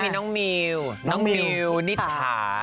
แล้วก็มีน้องมิวนิฐา